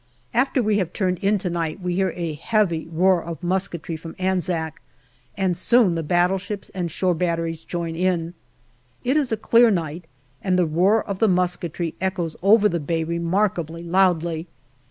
After we have turned in to night we hear a heavy roar of musketry from Anzac, and soon the battleships and shore batteries join in. It is a clear night, and the roar of the musketry echoes over the bay remarkably loudly.